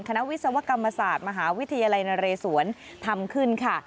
วิศวกรรมศาสตร์มหาวิทยาลัยนเรศวรทำขึ้นค่ะ